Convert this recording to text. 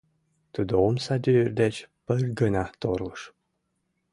Тудо омсадӱр деч пырт гына торлыш.